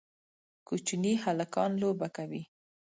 کوچني هلکان لوبه کوي